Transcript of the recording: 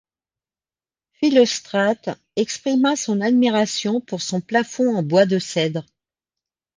Philostrate exprima son admiration pour son plafond en bois de cèdre.